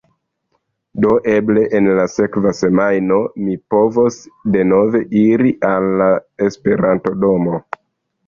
Do eble en la sekva semajno mi povos denove iri al la esperantodomo